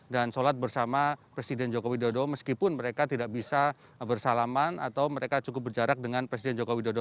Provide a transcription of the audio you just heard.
dan solat bersama presiden joko widodo meskipun mereka tidak bisa bersalaman atau mereka cukup berjarak dengan presiden joko widodo